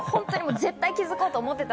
絶対気づこうと思ってた？